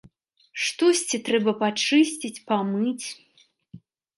Штосьці трэба пачысціць, памыць.